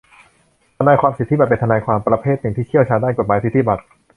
ทนายความสิทธิบัตรเป็นทนายความประเภทหนึ่งที่เชี่ยวชาญด้านกฎหมายสิทธิบัตร